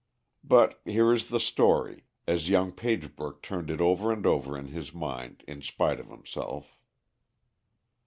But here is the story, as young Pagebrook turned it over and over in his mind in spite of himself.